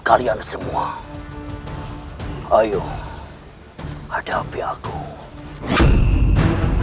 dasar berampuk berampuk kampung